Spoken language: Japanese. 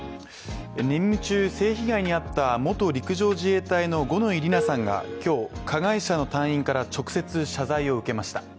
任務中、性被害に遭った元陸上自衛隊の五ノ井里奈さんが今日、加害者の隊員から直接謝罪を受けました。